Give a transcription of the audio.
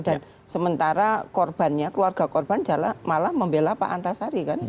dan sementara korbannya keluarga korban malah membela pak antasari kan